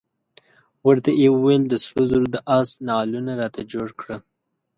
ورته یې وویل د سرو زرو د آس نعلونه راته جوړ کړه.